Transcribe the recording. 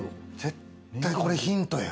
絶対これヒントや。